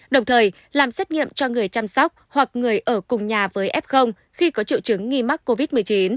đồng thời làm xét nghiệm cho người chăm sóc hoặc người ở cùng nhà với f khi có triệu chứng nghi mắc covid một mươi chín